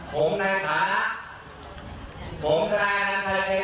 ผมในฐานะผมท่านท่านท่านพระเจรติในฐานะประธานคืนนี้